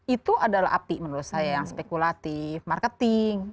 itu adalah api menurut saya yang spekulatif marketing